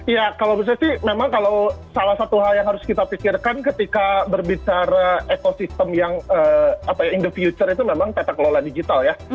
ya kalau menurut saya sih memang kalau salah satu hal yang harus kita pikirkan ketika berbicara ekosistem yang in the future itu memang tata kelola digital ya